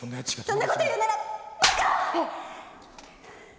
そんなこと言うならばか！